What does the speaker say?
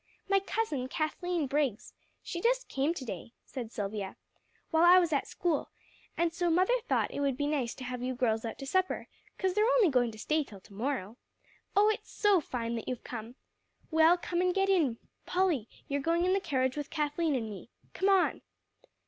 "My cousin, Kathleen Briggs. She just came to day," said Silvia, "while I was at school, and so mother thought it would be nice to have you girls out to supper, 'cause they're only going to stay till to morrow. Oh, it's so fine that you've come! Well, come and get in. Polly, you're going in the carriage with Kathleen and me. Come on."